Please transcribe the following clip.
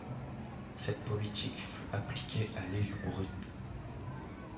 Cette politique fut appliquée à l'Île Bruny.